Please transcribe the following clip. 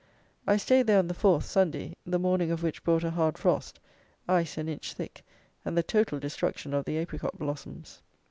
I stayed there on the 4th (Sunday), the morning of which brought a hard frost: ice an inch thick, and the total destruction of the apricot blossoms.